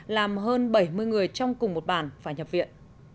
làm hơn bảy mươi người trong cùng một bản phải nhập viện